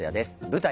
舞台